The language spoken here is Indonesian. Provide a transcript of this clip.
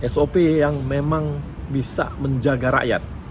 sop yang memang bisa menjaga rakyat